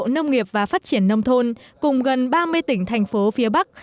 nông nghiệp và phát triển nông thôn cùng gần ba mươi tỉnh thành phố phía bắc